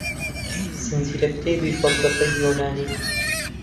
زنجیرەکتێبی فەلسەفەی یۆنانی